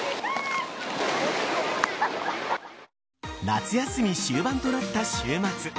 夏休み終盤となった週末。